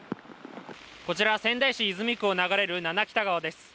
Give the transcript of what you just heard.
こちら、仙台市泉区を流れる七北田川です。